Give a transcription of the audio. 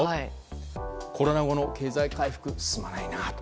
コロナ後の経済回復が進まないなと。